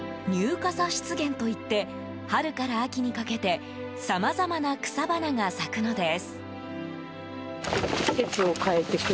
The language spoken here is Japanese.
笠湿原といって春から秋にかけてさまざまな草花が咲くのです。